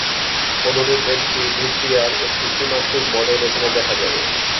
অনুরূপ একটি বিক্রিয়ার একটি ত্রিমাত্রিক মডেল এখানে দেখা যাবে।